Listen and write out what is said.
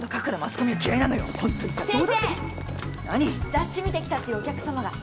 雑誌見て来たっていうお客さまが。